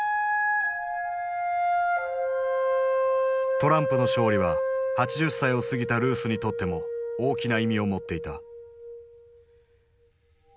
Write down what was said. トランプの勝利は８０歳を過ぎたルースにとっても大きな意味を持っていた。